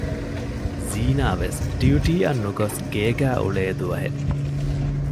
ޒީނާ ވެސް ޑިއުޓީއަށް ނުގޮސް ގޭގައި އުޅޭ ދުވަހެއް